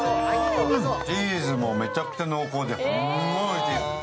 チーズもめちゃくちゃ濃厚ですごいおいしい。